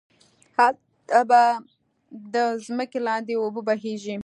هلته به ده ځمکی لاندی اوبه بهيږي